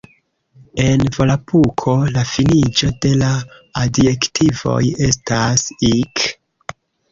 En Volapuko la finiĝo de la adjektivoj estas "-ik".